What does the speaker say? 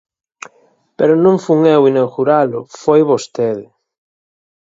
Pero non fun eu inauguralo, foi vostede.